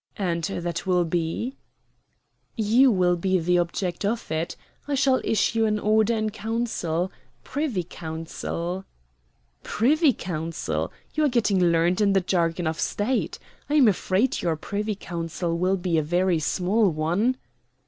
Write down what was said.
"And that will be?" "You will be the object of it. I shall issue an order in council Privy Council." "Privy Council! You are getting learned in the jargon of State. I am afraid your Privy Council will be a very small one."